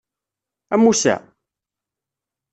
A Musa!